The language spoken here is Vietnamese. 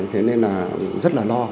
thế nên là rất là lo